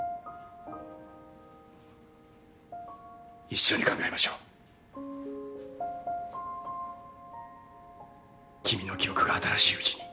一緒に考えましょう君の記憶が新しいうちに。